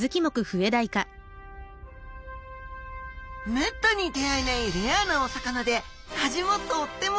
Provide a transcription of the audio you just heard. めったに出会えないレアなお魚で味もとってもおいしい超高級魚です